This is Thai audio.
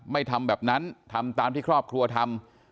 ไม่ทำแบบนั้นทำตามที่ครอบครัวทำ